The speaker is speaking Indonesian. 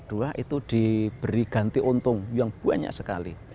di jawa tengah itu diberi ganti untung yang banyak sekali